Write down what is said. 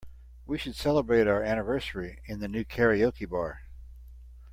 We should celebrate our anniversary in the new karaoke bar.